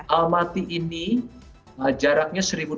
almaty ini jaraknya satu